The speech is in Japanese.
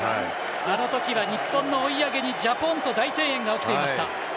あの時は日本の追い上げにジャポン！と大声援が起きていました。